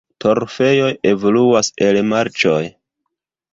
Torfejoj evoluas el marĉoj.